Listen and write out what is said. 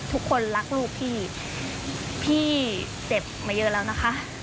ทุกคนรักลูกพี่พี่เจ็บมาเยอะแล้วนะคะ